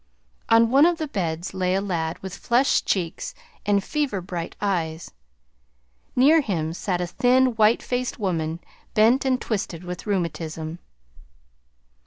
On one of the beds lay a lad with flushed cheeks and fever bright eyes. Near him sat a thin, white faced woman, bent and twisted with rheumatism.